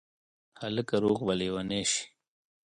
هلکه روغ به لېونی شې